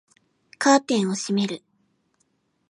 カーテンを閉める